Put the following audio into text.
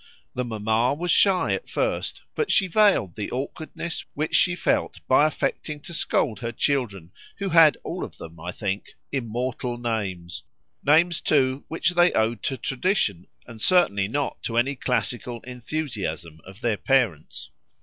The mamma was shy at first, but she veiled the awkwardness which she felt by affecting to scold her children, who had all of them, I think, immortal names—names too which they owed to tradition, and certainly not to any classical enthusiasm of their parents.